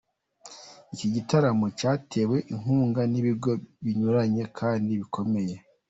Iki gitaramo cyatewe inkunga n’ibigo binyuranye kandi bikomeye